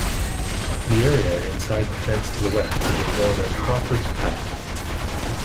The area inside the fence to the west became known as "Crawford's Paddock".